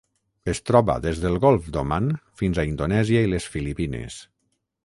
Es troba des del Golf d'Oman fins a Indonèsia i les Filipines.